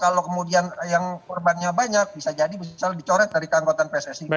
kalau kemudian yang korbannya banyak bisa jadi misal dicorek dari keangkutan pssi